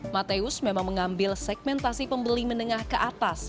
mateus memang mengambil segmentasi pembeli menengah ke atas